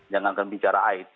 jangankan bicara it